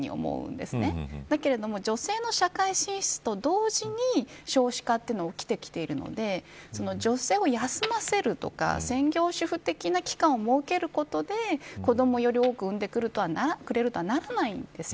ですが、女性の社会進出と同時に少子化が起きてきてるので女性を休ませるとか専業主婦的な期間を設けることで子どもをより多く生んでくれるとはならないんですよ。